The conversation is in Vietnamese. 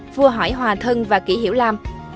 vua hỏi hòa thân và kỷ hiểu lam